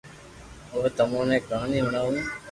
اوري تمو ني ڪھاني ھڻاوُ